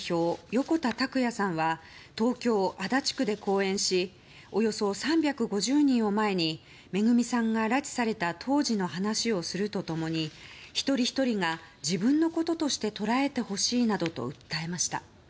横田拓也さんは東京・足立区で講演しおよそ３５０人を前にめぐみさんが拉致された当時の話をすると共に一人ひとりが、自分のこととして捉えてほしいなどと訴えました。